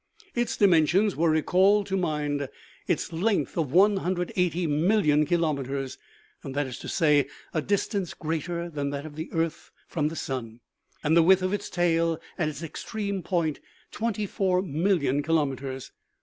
Its dimensions were recalled to mind: its length of 180,000,000 kilometers, that is to say, a distance greater than that of the earth from the sun ; and the width of its tail at its extreme point, 24,000,000 kilometers.